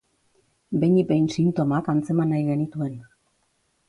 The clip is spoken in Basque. Behinik behin sintomak antzeman nahi genituen.